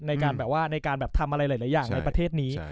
ในการแบบว่าในการแบบทำอะไรหลายอย่างในประเทศนี้